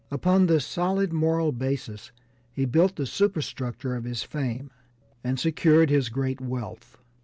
Upon this solid moral basis he built the superstructure of his fame and secured his great wealth.